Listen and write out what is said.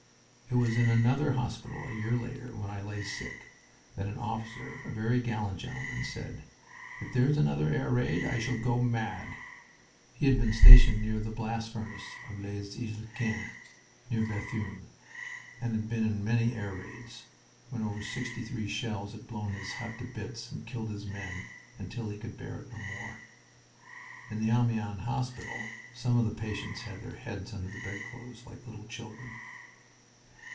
It was in another hospital a year later, when I lay sick again, that an officer, a very gallant gentleman, said, "If there is another air raid I shall go mad." He had been stationed near the blast furnace of Les Izelquins, near Bethune, and had been in many air raids, when over sixty three shells had blown his hut to bits and killed his men, until he could bear it no more. In the Amiens hospital some of the patients had their heads under the bedclothes like little children.